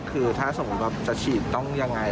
คือถ้าสมมุติแบบจะฉีดต้องยังไง